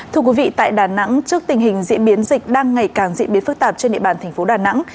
thưa quý vị tại đà nẵng trước tình hình diễn biến dịch đang ngày càng diễn biến phức tạp trên địa bàn thành phố đà nẵng